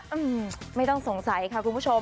อืมไม่ต้องสงสัยค่ะคุณผู้ชม